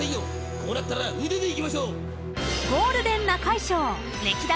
こうなったら腕でいきましょう］